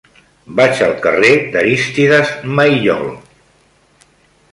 Vaig al carrer d'Arístides Maillol.